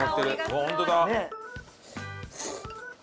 本当だ。